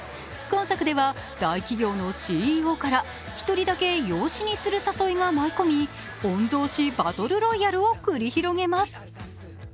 今作では大企業のＣＥＯから一人だけ養子にする誘いが舞い込み御曹司バトルロイヤルを繰り広げます。